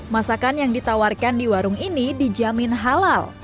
masakan yang ditawarkan di warung ini dijamin halal